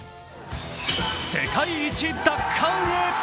世界一奪還へ。